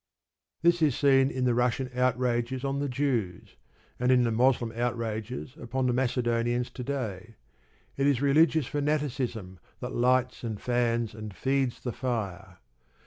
This is seen in the Russian outrages on the Jews, and in the Moslem outrages upon the Macedonians to day. It is religious fanaticism that lights and fans and feeds the fire.